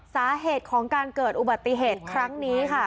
สาเหตุของการเกิดอุบัติเหตุครั้งนี้ค่ะ